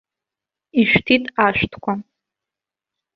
Ишәҭит ашәҭқәа.